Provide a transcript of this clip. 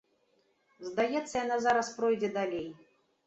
Здаецца, яна зараз пройдзе далей.